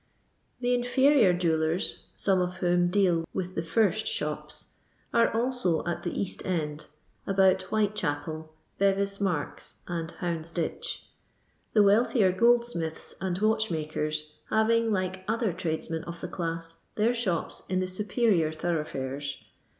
The inferior jewellers (some of whom deal with the first shops) are also at the East end, about 'Whitechnpel, Bevis nmrks, and Houndsditch ; the wealthier goldsmiths and watchmakers having, like other tradesmen of the class, their shops in the superior thoroughfares.